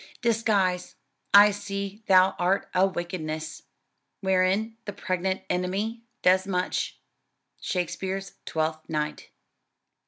"Disguise, I see thou art a wickedness, Wherein the pregnant enemy does much." SHAKESPEARE'S TWELFTH NIGHT.